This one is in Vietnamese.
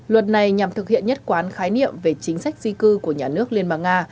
luật này nhằm thực hiện nhất quán khái niệm về chính sách di cư của nhà nước liên bang nga